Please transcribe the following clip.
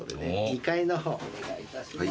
２階の方お願いいたします。